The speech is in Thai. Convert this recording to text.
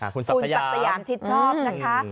คุณศักดิ์สยามชิดชอบนะคะ